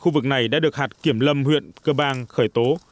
khu vực này đã được hạt kiểm lâm huyện cơ bang khởi tố